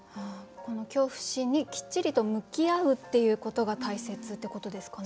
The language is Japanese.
この恐怖心にきっちりと向き合うっていうことが大切ってことですかね。